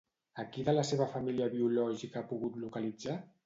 A qui de la seva família biològica ha pogut localitzar?